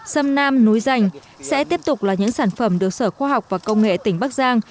sâm nam núi rành sẽ tiếp tục là những sản phẩm được sở khoa học và công nghệ tỉnh bắc giang